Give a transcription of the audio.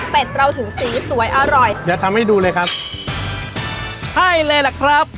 เราถึงสีสวยอร่อยเดี๋ยวทำให้ดูเลยครับใช่เลยล่ะครับ